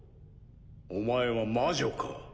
お前は魔女か？